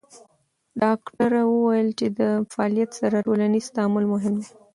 ډاکټره وویل چې د فعالیت سره ټولنیز تعامل مهم دی.